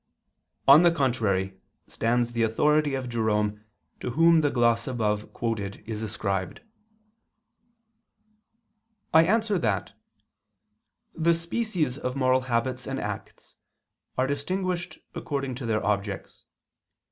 On the contrary, stands the authority of Jerome to whom the gloss above quoted is ascribed. I answer that, The species of moral habits and acts are distinguished according to their objects.